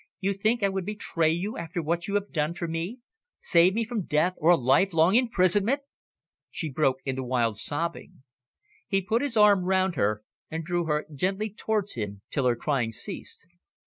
"You think I would betray you, after what you have done for me, saved me from death or a life long imprisonment." She broke into wild sobbing. He put his arm round her, and drew her gently towards him, till her crying ceased.